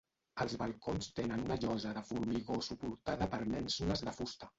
Els balcons tenen una llosa de formigó suportada per mènsules de fusta.